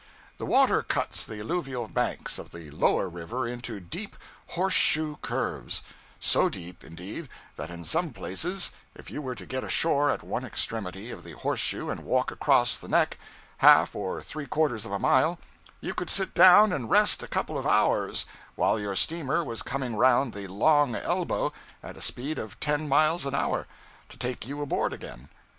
The water cuts the alluvial banks of the 'lower' river into deep horseshoe curves; so deep, indeed, that in some places if you were to get ashore at one extremity of the horseshoe and walk across the neck, half or three quarters of a mile, you could sit down and rest a couple of hours while your steamer was coming around the long elbow, at a speed of ten miles an hour, to take you aboard again.